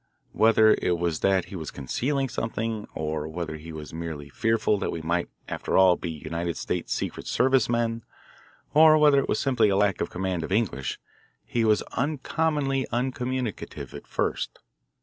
Whether it was that he was concealing something, or whether he was merely fearful that we might after all be United States Secret Service men, or whether it was simply a lack of command of English, he was uncommonly uncommunicative at first.